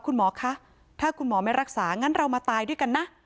คุณหมอคะถ้าคุณหมอไม่รักษางั้นเรามาตายด้วยกันนะ